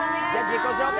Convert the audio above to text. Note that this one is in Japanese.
自己紹介